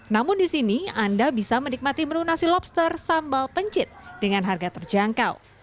namun di sini anda bisa menikmati menu nasi lobster sambal pencit dengan harga terjangkau